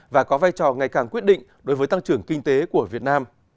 và có vai trò ngày càng quyết định đối với tăng trưởng kinh tế của việt nam